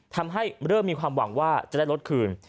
ทำให้เริ่มมีความหวังว่าจะได้รถคืน